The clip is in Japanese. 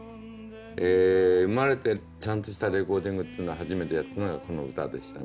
え生まれてちゃんとしたレコーディングっていうのを初めてやったのがこの歌でしたね。